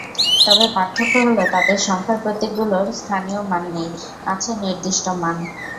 তবে পার্থক্য হলো তাদের সংখ্যার প্রতীকগুলোর স্থানীয় মান নেই, আছে নির্দিষ্ট মান।